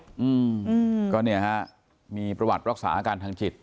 อืมก็เนี่ยฮะมีประวัติรักษาอาการทางจิต